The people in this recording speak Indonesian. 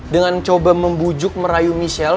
dengan coba membujuk merayu michelle